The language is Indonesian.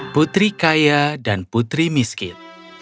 putri kaya dan putri miskin